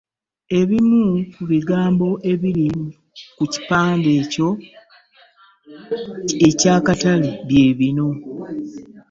Ebimu ku bigambo ebiri ku kipande ekyo eky'akatale bye bino.